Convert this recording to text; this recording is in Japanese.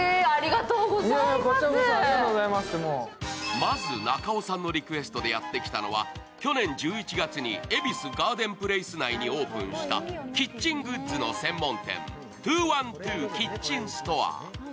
まず中尾さんのリクエストでやって来たのは去年１１月に恵比寿ガーデンプレイス内にオープンしたキッチングッズの専門店２１２ＫＩＴＣＨＥＮＳＴＯＲＥ。